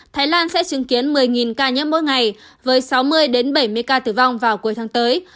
thái lan sẽ chứng kiến một mươi ca nhiễm mỗi ngày với sáu mươi bảy mươi ca tử vong vào cuối tháng tới